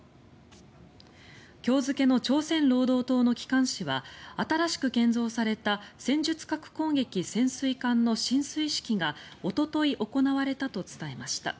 今日付けの朝鮮労働党の機関紙は新しく建造された戦術核攻撃潜水艦の進水式がおととい行われたと伝えました。